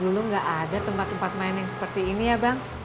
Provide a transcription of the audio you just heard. dulu nggak ada tempat tempat main yang seperti ini ya bang